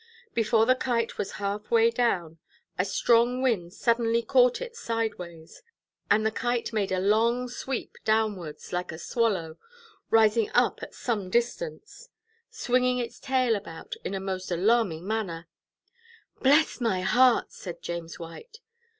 Before the Kite was half way down, a strong wind suddenly caught it sideways, and the Kite made a long sweep downwards, like a swallow, rising up again at some distance, swinging its tail about in a most alarming manner. "Bless my heart!" said James White.